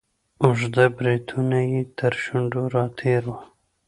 اوږده بریتونه یې تر شونډو را تیر وه.